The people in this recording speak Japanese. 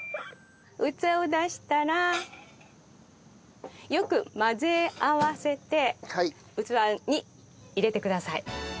器を出したらよく混ぜ合わせて器に入れてください。